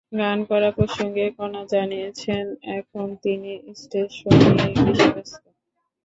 গান করা প্রসঙ্গে কণা জানিয়েছেন, এখন তিনি স্টেজ শো নিয়েই বেশি ব্যস্ত।